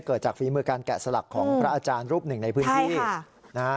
เกิดจากฝีมือการแกะสลักของพระอาจารย์รูปหนึ่งในพื้นที่นะฮะ